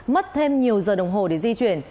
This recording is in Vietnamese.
mất thêm nhiều giờ đồng hồ để di chuyển